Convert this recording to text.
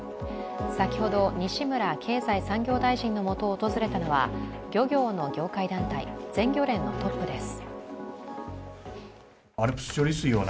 先ほど西村経済産業大臣のもとを訪れたのは漁業の業界団体全漁連のトップです。